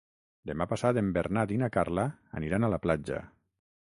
Demà passat en Bernat i na Carla aniran a la platja.